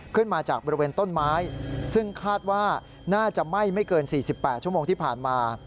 ขึ้นมาจากบริเวณต้นไม้ซึ่งคาดว่าน่าจะไหม้ไม่เกิน๔๘ชั่วโมงที่ผ่านมา